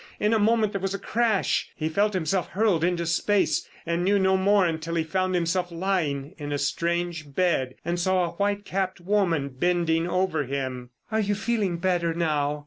In a moment there was a crash, he felt himself hurled into space and knew no more until he found himself lying in a strange bed, and saw a white capped woman bending over him. "Are you feeling better now?"